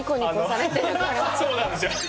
そうなんですよ。